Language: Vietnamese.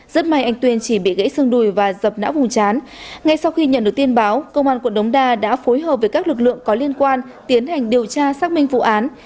rất may anh tuyên chỉ bị gãy xương đùi và dập não vùng chán ngay sau khi nhận được tin báo công an quận đống đa đã phối hợp với các lực lượng có liên quan tiến hành điều tra xác minh vụ án